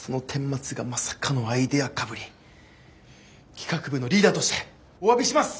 企画部のリーダーとしておわびします！